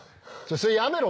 それやめろ。